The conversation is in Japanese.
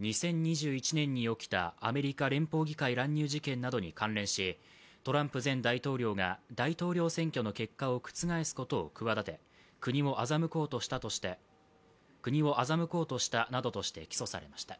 ２０２１年に起きたアメリカ連邦議会乱入事件などに関連し、トランプ前大統領が大統領選挙の結果を覆すことを企て、国を欺こうとしたなどとして起訴されました。